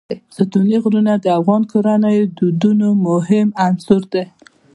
ستوني غرونه د افغان کورنیو د دودونو مهم عنصر دی.